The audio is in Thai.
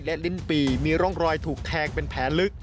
และลิ้นปีมีร่องรอยถูกแทงเป็นแผลลึก